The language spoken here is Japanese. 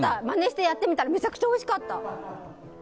まねしてやってみたらめちゃくちゃおいしかった。